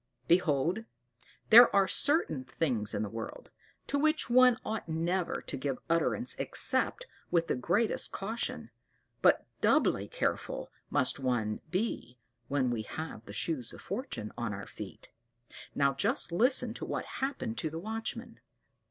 Behold there are certain things in the world to which one ought never to give utterance except with the greatest caution; but doubly careful must one be when we have the Shoes of Fortune on our feet. Now just listen to what happened to the watchman.